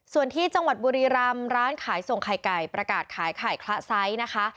ส่วนที่จังหวัดบุรีรำร้านขายส่งไข่ไก่ประกาศขายไข่คละไซส์นะคะ